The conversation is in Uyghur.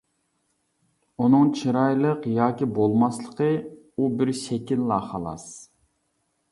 ئۇنىڭ چىرايلىق ياكى بولماسلىقى ئۇ بىر شەكىللا خالاس.